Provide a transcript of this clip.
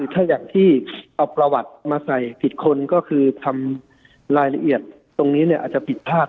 ถ้าอย่างที่เอาประวัติมาใส่ผิดคนก็คือทำรายละเอียดตรงนี้เนี่ยอาจจะผิดพลาด